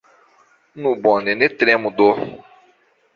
Nu, bone, ne tremu do!